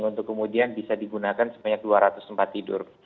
untuk kemudian bisa digunakan sebanyak dua ratus tempat tidur